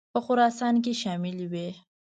په خراسان کې شاملي وې.